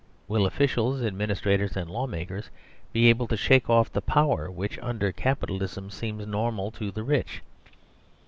Will officials, administrators, and law makers be able to shake off the power which under Capitalism seems normal to the rich